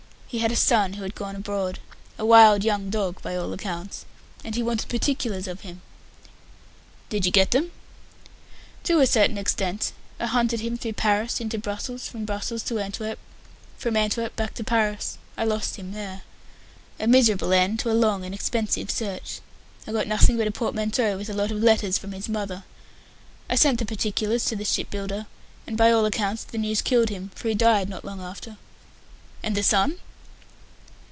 He had a son who had gone abroad a wild young dog, by all accounts and he wanted particulars of him." "Did you get them?" "To a certain extent. I hunted him through Paris into Brussels, from Brussels to Antwerp, from Antwerp back to Paris. I lost him there. A miserable end to a long and expensive search. I got nothing but a portmanteau with a lot of letters from his mother. I sent the particulars to the ship builder, and by all accounts the news killed him, for he died not long after." "And the son?"